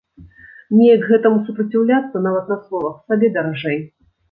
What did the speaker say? Неяк гэтаму супраціўляцца, нават на словах, сабе даражэй.